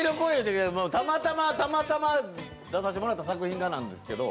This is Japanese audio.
たまたま、たまたま出させてもらった作品がなんですけど。